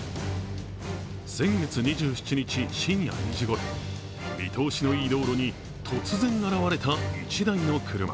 先月２７日深夜２時ごろ見通しのいい道路に突然現れた１台の車。